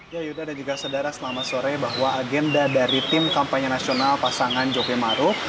ya yuda dan juga sedara selama sore bahwa agenda dari tim kampanye nasional pasangan jokowi maruf